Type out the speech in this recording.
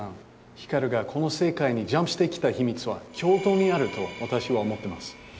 光がこの世界にジャンプしてきた秘密は京都にあると私は思ってます。